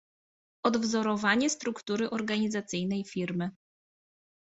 Odwzorowanie struktury organizacyjnej Firmy